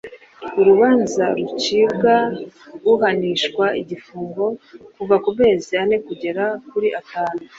urubanza rucibwa ahanishwa igifungo kuva kumezi ane kugeza kuri atanu